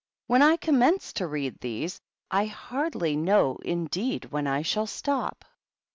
When I commence to read these, I hardly know, indeed, when I shall stop."